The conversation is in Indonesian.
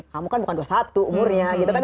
kamu kan bukan dua puluh satu umurnya gitu kan